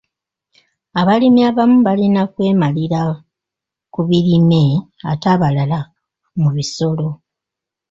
Abalimi abamu balina kwemalira ku birime ate abalala mu bisolo .